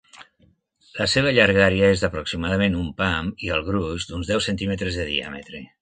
La seva llargària és d'aproximadament un pam, i el gruix d'uns deu centímetres de diàmetre.